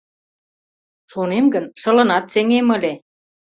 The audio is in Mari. — Шонем гын, шылынат сеҥем ыле!